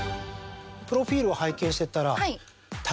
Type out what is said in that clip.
プロフィールを拝見してったら。